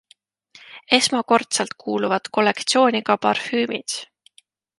Esmakordselt kuuluvad kollektsiooni ka parfüümid.